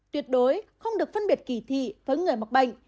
tuyệt đối không được phân biệt kỳ thị với người mắc bệnh